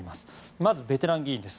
まずベテラン議員です。